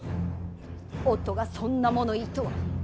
夫がそんな物言いとは。